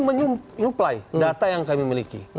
menyuplai data yang kami miliki